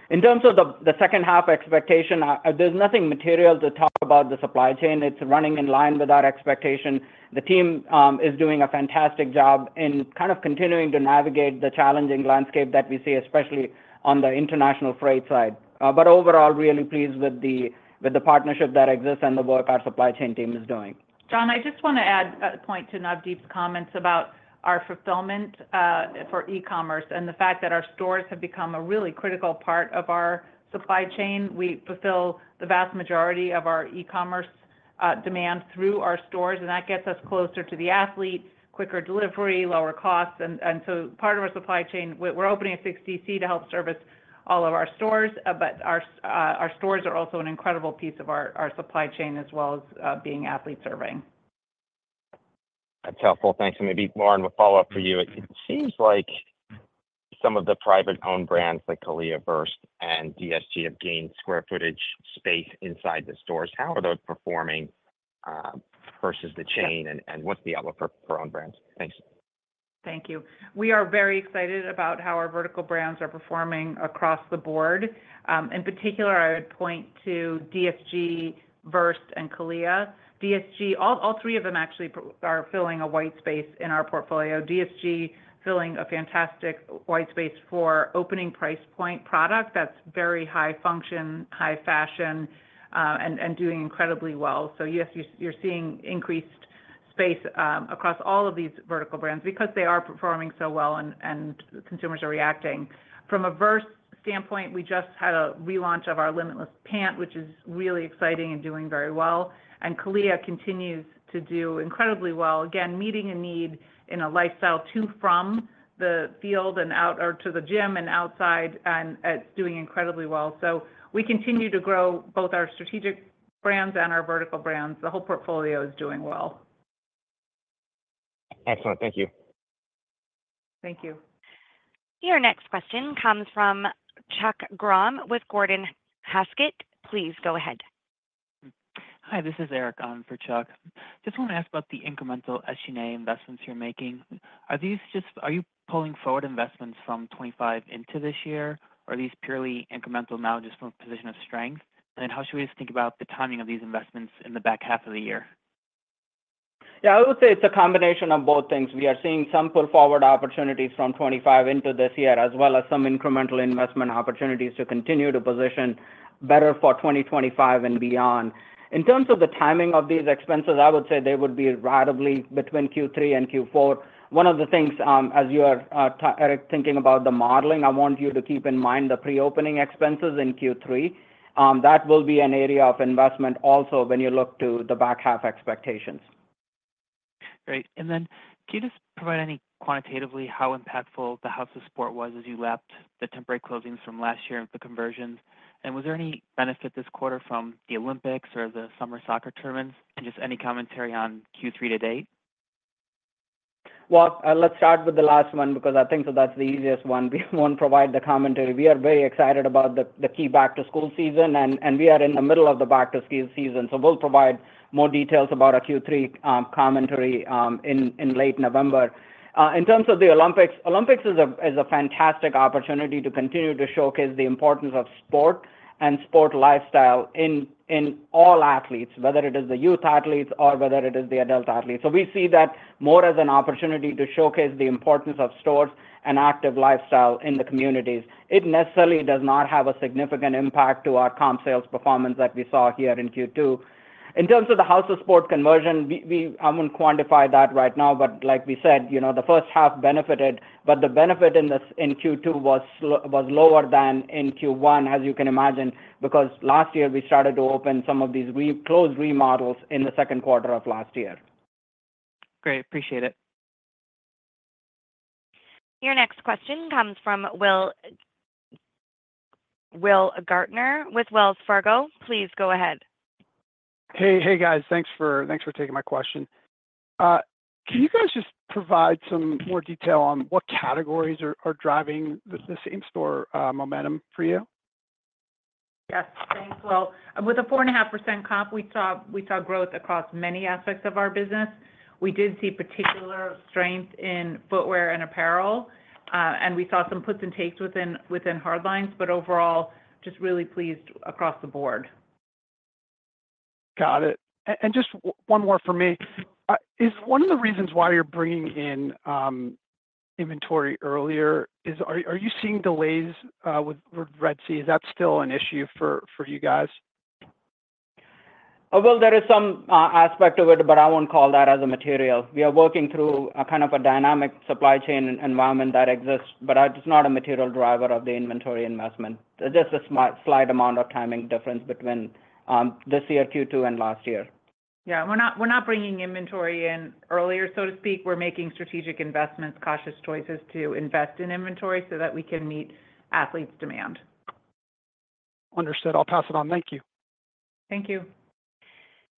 Speaker 4: In terms of the second half expectation, there's nothing material to talk about the supply chain. It's running in line with our expectation. The team is doing a fantastic job in kind of continuing to navigate the challenging landscape that we see, especially on the international freight side. But overall, really pleased with the partnership that exists and the work our supply chain team is doing.
Speaker 3: John, I just want to add a point to Navdeep's comments about our fulfillment for e-commerce and the fact that our stores have become a really critical part of our supply chain. We fulfill the vast majority of our e-commerce demand through our stores, and that gets us closer to the athlete, quicker delivery, lower costs, and so part of our supply chain, we're opening a sixth DC to help service all of our stores, but our stores are also an incredible piece of our supply chain, as well as being athlete-serving.
Speaker 10: That's helpful. Thanks. And maybe, Lauren, we'll follow up for you. It seems like some of the private-owned brands like CALIA, VRST, and DSG have gained square footage space inside the stores. How are those performing versus the chain, and what's the outlook for own brands? Thanks.
Speaker 3: Thank you. We are very excited about how our vertical brands are performing across the board. In particular, I would point to DSG, VRST, and CALIA. DSG, all three of them actually are filling a white space in our portfolio. DSG filling a fantastic white space for opening price point product that's very high function, high fashion, and doing incredibly well. So yes, you're seeing increased space across all of these vertical brands because they are performing so well and consumers are reacting. From a VRST standpoint, we just had a relaunch of our Limitless pant, which is really exciting and doing very well. And CALIA continues to do incredibly well, again, meeting a need in a lifestyle to/from the field and out or to the gym and outside, and it's doing incredibly well. So we continue to grow both our strategic brands and our vertical brands. The whole portfolio is doing well.
Speaker 4: Excellent. Thank you.
Speaker 3: Thank you.
Speaker 1: Your next question comes from Chuck Grom with Gordon Haskett. Please go ahead.
Speaker 11: Hi, this is Eric on for Chuck. Just want to ask about the incremental SG&A investments you're making. Are you pulling forward investments from 2025 into this year, or are these purely incremental now just from a position of strength? And then how should we think about the timing of these investments in the back half of the year?
Speaker 4: Yeah, I would say it's a combination of both things. We are seeing some pull forward opportunities from 2025 into this year, as well as some incremental investment opportunities to continue to position better for 2025 and beyond. In terms of the timing of these expenses, I would say they would be variably between Q3 and Q4. One of the things, as you are, Eric, thinking about the modeling, I want you to keep in mind the pre-opening expenses in Q3. That will be an area of investment also when you look to the back half expectations.
Speaker 11: Great. Then can you just provide any quantitative how impactful the House of Sport was as you lapped the temporary closings from last year and the conversions? Was there any benefit this quarter from the Olympics or the summer soccer tournaments? Just any commentary on Q3 to date.
Speaker 4: Let's start with the last one, because I think that that's the easiest one. We won't provide the commentary. We are very excited about the key back-to-school season, and we are in the middle of the back-to-school season, so we'll provide more details about our Q3 commentary in late November. In terms of the Olympics, Olympics is a fantastic opportunity to continue to showcase the importance of sport and sport lifestyle in all athletes, whether it is the youth athletes or whether it is the adult athletes. So we see that more as an opportunity to showcase the importance of sports and active lifestyle in the communities. It necessarily does not have a significant impact to our comp sales performance like we saw here in Q2. In terms of the House of Sport conversion, I won't quantify that right now, but like we said, you know, the first half benefited, but the benefit in this, in Q2 was lower than in Q1, as you can imagine, because last year we started to open some of these reclosed remodels in the second quarter of last year.
Speaker 11: Great. Appreciate it.
Speaker 1: Your next question comes from Will, Will Gaertner with Wells Fargo. Please go ahead.
Speaker 12: Hey, hey, guys. Thanks for taking my question. Can you guys just provide some more detail on what categories are driving the same-store momentum for you?
Speaker 3: Yes. Thanks, Will. With a 4.5% comp, we saw growth across many aspects of our business. We did see particular strength in footwear and apparel, and we saw some puts and takes within hardlines, but overall, just really pleased across the board.
Speaker 12: Got it. And just one more for me. Is one of the reasons why you're bringing in inventory earlier? Are you seeing delays with Red Sea? Is that still an issue for you guys?
Speaker 4: Well, there is some aspect of it, but I won't call that as a material. We are working through a kind of a dynamic supply chain environment that exists, but it's not a material driver of the inventory investment. Just a small, slight amount of timing difference between this year, Q2, and last year.
Speaker 3: Yeah. We're not, we're not bringing inventory in earlier, so to speak. We're making strategic investments, cautious choices to invest in inventory so that we can meet athletes' demand.
Speaker 12: Understood. I'll pass it on. Thank you.
Speaker 3: Thank you.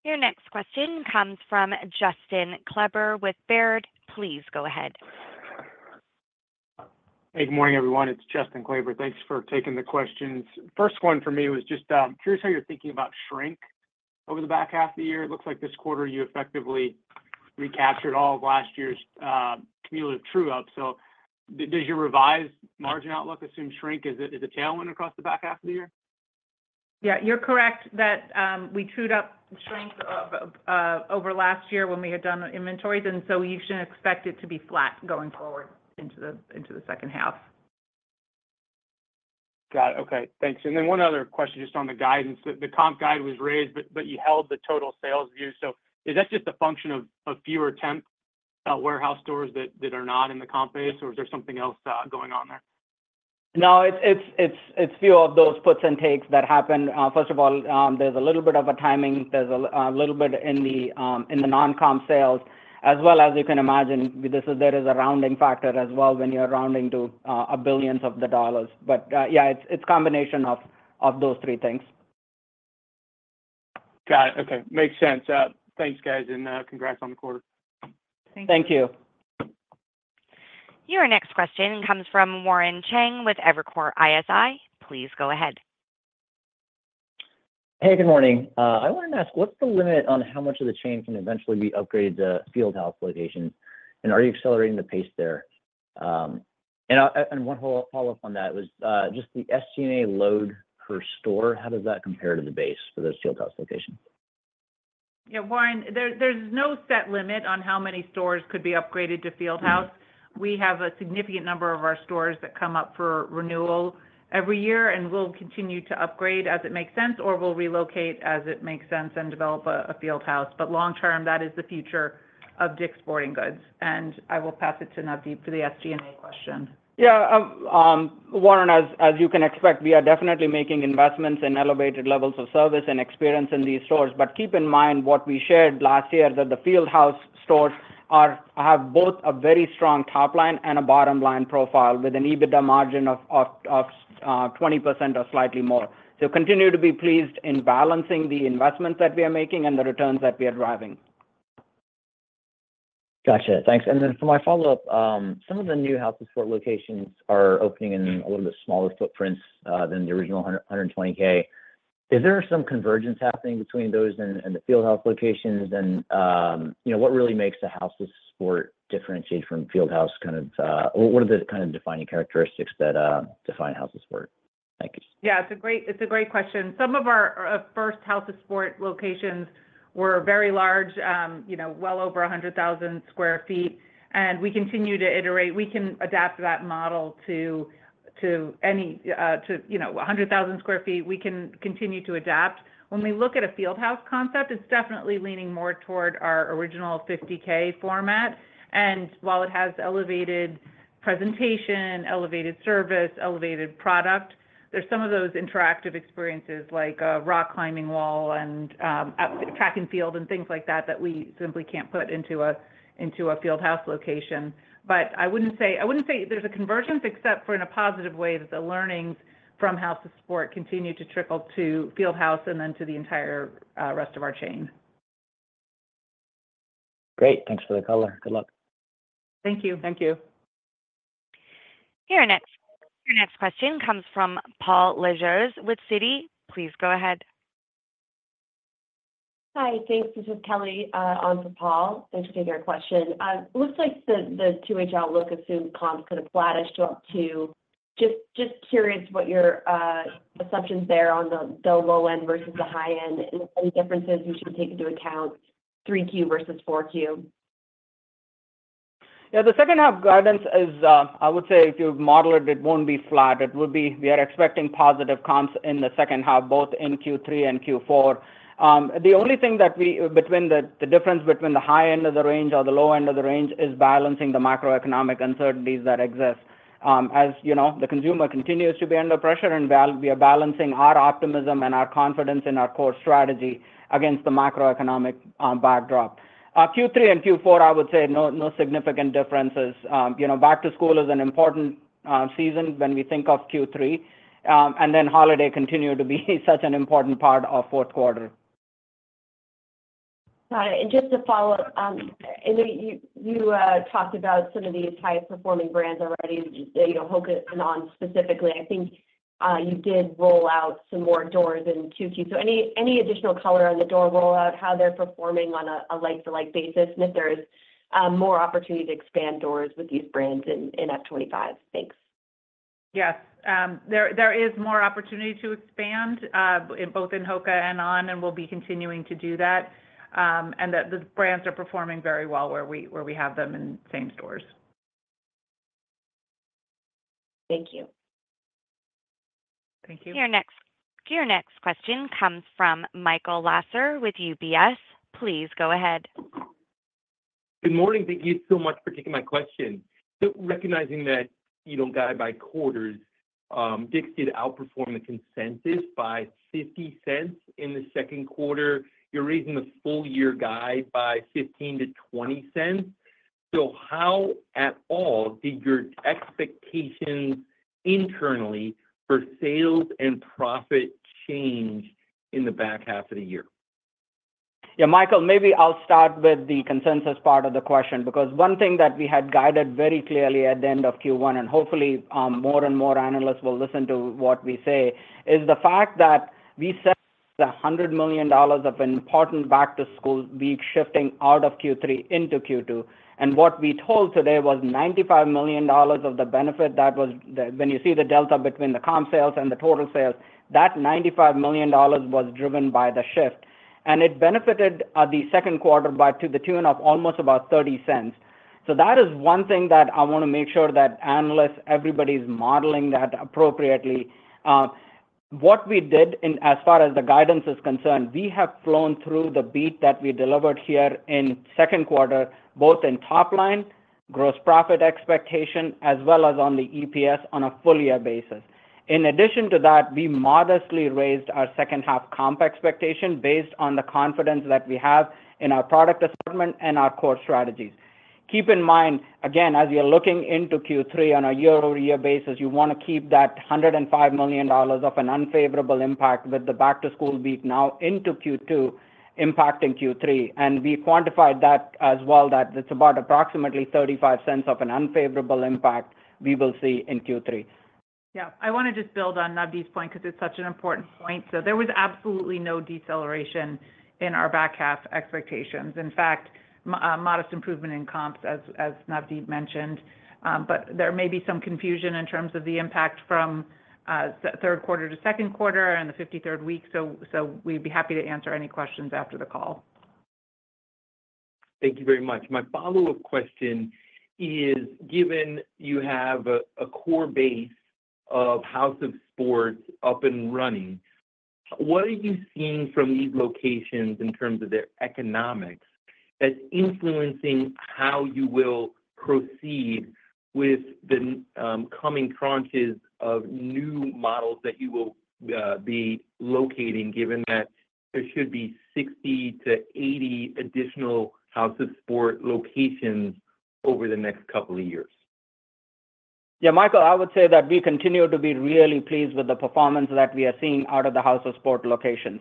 Speaker 1: Your next question comes from Justin Kleber with Baird. Please go ahead.
Speaker 13: Hey, good morning, everyone. It's Justin Kleber. Thanks for taking the questions. First one for me was just curious how you're thinking about shrink over the back half of the year. It looks like this quarter you effectively recaptured all of last year's cumulative true up. So did your revised margin outlook assume shrink? Is it a tailwind across the back half of the year?
Speaker 3: Yeah, you're correct that we trued up the strength of over last year when we had done inventories, and so you should expect it to be flat going forward into the second half.
Speaker 13: Got it. Okay, thanks. And then one other question just on the guidance. The comp guide was raised, but you held the total sales view. So is that just a function of fewer temp warehouse stores that are not in the comp base, or is there something else going on there?
Speaker 4: No, it's a few of those puts and takes that happen. First of all, there's a little bit of a timing. There's a little bit in the non-comp sales, as well as you can imagine, there is a rounding factor as well when you're rounding to billions of dollars. But yeah, it's a combination of those three things.
Speaker 13: Got it. Okay. Makes sense. Thanks, guys, and congrats on the quarter.
Speaker 3: Thank you.
Speaker 4: Thank you.
Speaker 1: Your next question comes from Warren Cheng with Evercore ISI. Please go ahead. ...
Speaker 14: Hey, good morning. I wanted to ask, what's the limit on how much of the chain can eventually be upgraded to Field House locations? And are you accelerating the pace there? One follow-up on that was just the SG&A load per store, how does that compare to the base for those Field House locations?
Speaker 3: Yeah, Warren, there's no set limit on how many stores could be upgraded to Field House. We have a significant number of our stores that come up for renewal every year, and we'll continue to upgrade as it makes sense, or we'll relocate as it makes sense and develop a Field House. But long term, that is the future of DICK'S Sporting Goods, and I will pass it to Navdeep for the SG&A question.
Speaker 4: Yeah, Warren, as you can expect, we are definitely making investments in elevated levels of service and experience in these stores. But keep in mind what we shared last year, that the Field House stores have both a very strong top line and a bottom-line profile, with an EBITDA margin of 20% or slightly more. So continue to be pleased in balancing the investments that we are making and the returns that we are driving.
Speaker 14: Gotcha. Thanks. And then for my follow-up, some of the new House of Sport locations are opening in a little bit smaller footprints than the original 120,000 sq ft. Is there some convergence happening between those and the Field House locations? And, you know, what really makes the House of Sport differentiate from Field House kind of... What are the kind of defining characteristics that define House of Sport? Thank you.
Speaker 3: Yeah, it's a great, it's a great question. Some of our first House of Sport locations were very large, you know, well over 100,000 sq ft, and we continue to iterate. We can adapt that model to any, you know, 100,000 sq ft, we can continue to adapt. When we look at a Field House concept, it's definitely leaning more toward our original 50,000 format. And while it has elevated presentation, elevated service, elevated product, there's some of those interactive experiences, like a rock climbing wall and, track and field and things like that, that we simply can't put into a Field House location. But I wouldn't say, I wouldn't say there's a convergence except for in a positive way, that the learnings from House of Sport continue to trickle to Field House and then to the entire rest of our chain.
Speaker 14: Great. Thanks for the color. Good luck.
Speaker 3: Thank you.
Speaker 15: Thank you.
Speaker 1: Your next question comes from Paul Lejuez with Citi. Please go ahead.
Speaker 11: Hi, thanks. This is Kelly, on for Paul. Thanks for taking our question. It looks like the 2H outlook assumed comps kind of flattish to up to. Just curious what your assumptions there on the low end versus the high end, and any differences we should take into account Q3 versus Q4.
Speaker 4: Yeah, the second half guidance is, I would say if you model it, it won't be flat. It would be... We are expecting positive comps in the second half, both in Q3 and Q4. The only thing that, between the difference between the high end of the range or the low end of the range, is balancing the macroeconomic uncertainties that exist. As you know, the consumer continues to be under pressure, and we are balancing our optimism and our confidence in our core strategy against the macroeconomic backdrop. Q3 and Q4, I would say no significant differences. You know, back-to-school is an important season when we think of Q3, and then holiday continue to be such an important part of fourth quarter.
Speaker 11: Got it. And just to follow up, and you talked about some of these high-performing brands already, you know, HOKA and On specifically, I think, you did roll out some more doors in Q2. So any additional color on the door rollout, how they're performing on a like-to-like basis, and if there is more opportunity to expand doors with these brands in FY 2025? Thanks.
Speaker 3: Yes. There is more opportunity to expand both in HOKA and On, and we'll be continuing to do that, and that the brands are performing very well where we have them in the same stores.
Speaker 11: Thank you.
Speaker 3: Thank you.
Speaker 1: Your next question comes from Michael Lasser with UBS. Please go ahead.
Speaker 15: Good morning. Thank you so much for taking my question. So recognizing that, you don't guide by quarters, DICK'S did outperform the consensus by $0.50 in the second quarter. You're raising the full year guide by $0.15-$0.20. So how at all did your expectations internally for sales and profit change in the back half of the year?
Speaker 4: Yeah, Michael, maybe I'll start with the consensus part of the question, because one thing that we had guided very clearly at the end of Q1, and hopefully, more and more analysts will listen to what we say, is the fact that we set $100 million of important back-to-school week shifting out of Q3 into Q2. And what we told today was $95 million of the benefit, that was the, when you see the delta between the comp sales and the total sales, that $95 million was driven by the shift, and it benefited the second quarter by to the tune of almost about $0.30. So that is one thing that I want to make sure that analysts, everybody's modeling that appropriately. What we did in as far as the guidance is concerned, we have flowed through the beat that we delivered here in second quarter, both in top line, gross profit expectation, as well as on the EPS on a full year basis. In addition to that, we modestly raised our second half comp expectation based on the confidence that we have in our product assortment and our core strategies. Keep in mind, again, as we are looking into Q3 on a year-over-year basis, you want to keep that $105 million of an unfavorable impact with the back-to-school week now into Q2, impacting Q3. We quantified that as well, that it's about approximately $0.35 of an unfavorable impact we will see in Q3....
Speaker 3: Yeah, I wanna just build on Navdeep's point, 'cause it's such an important point. So there was absolutely no deceleration in our back half expectations. In fact, modest improvement in comps, as Navdeep mentioned. But there may be some confusion in terms of the impact from third quarter to second quarter and the fifty-third week, so we'd be happy to answer any questions after the call.
Speaker 15: Thank you very much. My follow-up question is, given you have a core base of House of Sport up and running, what are you seeing from these locations in terms of their economics that's influencing how you will proceed with the coming tranches of new models that you will be locating, given that there should be 60-80 additional House of Sport locations over the next couple of years?
Speaker 4: Yeah, Michael, I would say that we continue to be really pleased with the performance that we are seeing out of the House of Sport locations.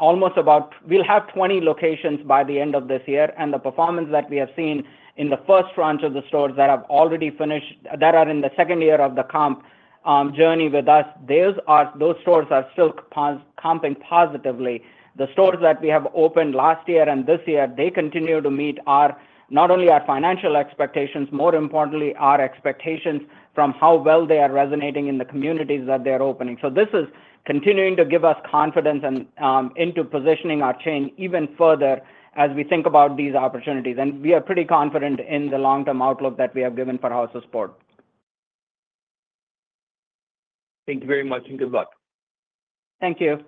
Speaker 4: We'll have 20 locations by the end of this year, and the performance that we have seen in the first tranche of the stores that have already finished, that are in the second year of the comp journey with us, those stores are still comping positively. The stores that we have opened last year and this year, they continue to meet our, not only our financial expectations, more importantly, our expectations from how well they are resonating in the communities that they are opening. This is continuing to give us confidence and into positioning our chain even further as we think about these opportunities. We are pretty confident in the long-term outlook that we have given for House of Sport.
Speaker 15: Thank you very much, and good luck.
Speaker 4: Thank you.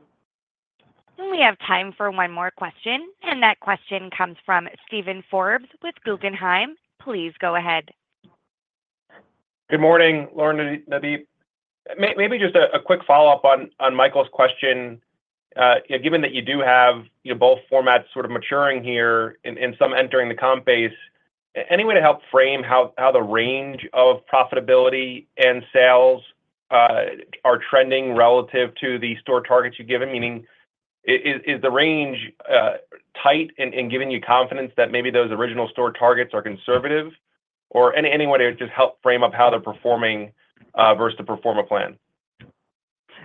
Speaker 1: We have time for one more question, and that question comes from Steven Forbes with Guggenheim. Please go ahead.
Speaker 16: Good morning, Lauren and Navdeep. Maybe just a quick follow-up on Michael's question. Yeah, given that you do have, you know, both formats sort of maturing here and some entering the comp base, any way to help frame how the range of profitability and sales are trending relative to the store targets you've given? Meaning, is the range tight in giving you confidence that maybe those original store targets are conservative? Or any way to just help frame up how they're performing versus the pro forma plan?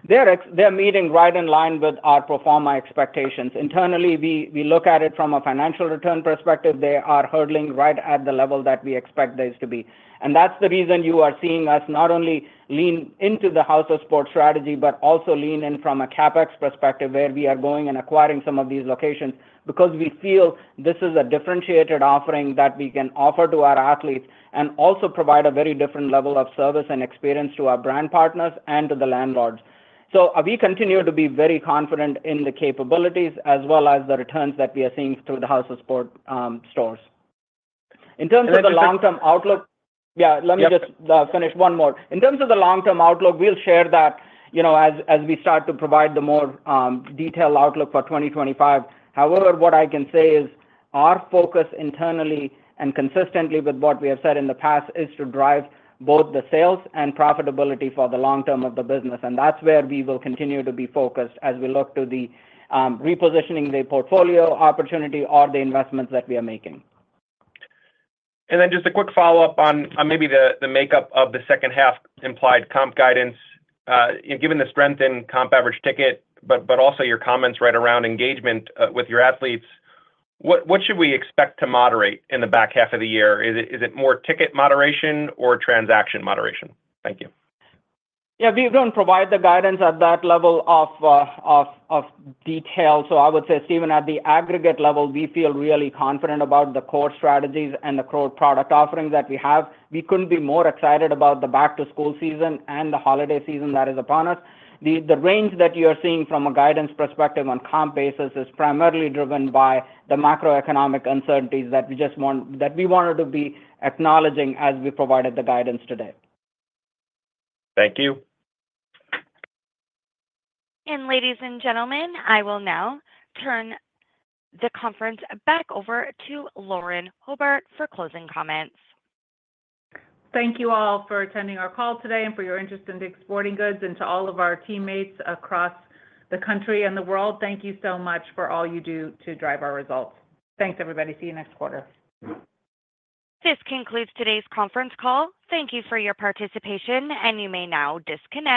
Speaker 4: They're meeting right in line with our pro forma expectations. Internally, we look at it from a financial return perspective. They are hurdling right at the level that we expect this to be. And that's the reason you are seeing us not only lean into the House of Sport strategy, but also lean in from a CapEx perspective, where we are going and acquiring some of these locations, because we feel this is a differentiated offering that we can offer to our athletes and also provide a very different level of service and experience to our brand partners and to the landlords. So we continue to be very confident in the capabilities as well as the returns that we are seeing through the House of Sport stores. In terms of the long-term outlook-
Speaker 16: Yep.
Speaker 4: Yeah, let me just finish one more. In terms of the long-term outlook, we'll share that, you know, as we start to provide the more detailed outlook for 2025. However, what I can say is, our focus internally and consistently with what we have said in the past is to drive both the sales and profitability for the long term of the business, and that's where we will continue to be focused as we look to the repositioning the portfolio opportunity or the investments that we are making.
Speaker 16: And then just a quick follow-up on maybe the makeup of the second half implied comp guidance. Given the strength in comp average ticket, but also your comments right around engagement with your athletes, what should we expect to moderate in the back half of the year? Is it more ticket moderation or transaction moderation? Thank you.
Speaker 4: Yeah, we don't provide the guidance at that level of detail. So I would say, Steven, at the aggregate level, we feel really confident about the core strategies and the core product offerings that we have. We couldn't be more excited about the back-to-school season and the holiday season that is upon us. The range that you're seeing from a guidance perspective on comp basis is primarily driven by the macroeconomic uncertainties that we wanted to be acknowledging as we provided the guidance today.
Speaker 16: Thank you.
Speaker 1: Ladies and gentlemen, I will now turn the conference back over to Lauren Hobart for closing comments.
Speaker 3: Thank you all for attending our call today and for your interest in DICK' Sporting Goods, and to all of our teammates across the country and the world, thank you so much for all you do to drive our results. Thanks, everybody. See you next quarter.
Speaker 1: This concludes today's conference call. Thank you for your participation, and you may now disconnect.